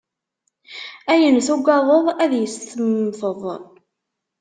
Ayen tugadeḍ, ad yes-s temmteḍ.